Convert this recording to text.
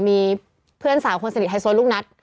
มีเพื่อนสาวคนสนิทไฮโซลูกนัด